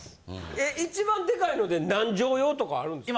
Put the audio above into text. え一番デカいので何帖用とかあるんですか。